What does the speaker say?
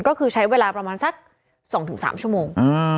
ก็คือใช้เวลาประมาณสัก๒๓ชั่วโมง